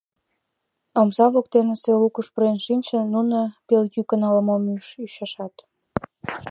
Омса воктенысе лукыш пурен шинчын, нуно пелйӱкын ала-мом ӱчашат.